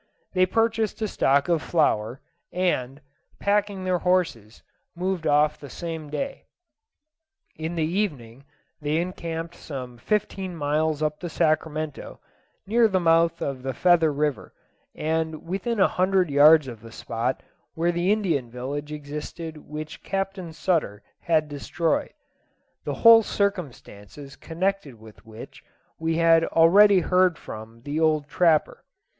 They purchased a stock of flour, and, packing their horses, moved off the same day. In the evening they encamped some fifteen miles up the Sacramento, near the mouth of the Feather River, and within a hundred yards of the spot where the Indian village existed which Captain Sutter had destroyed; the whole circumstances connected with which we had already heard from the old trapper.